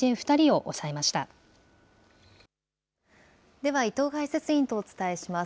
では、伊藤解説委員とお伝えします。